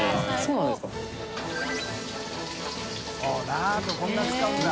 ラードこんなに使うんだ。